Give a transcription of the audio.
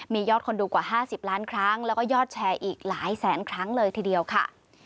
มียอดคนดูกว่า๕๐ล้านครั้งแล้วก็ยอดแชร์อีกหลายแสนครั้งเลยทีเดียวค่ะ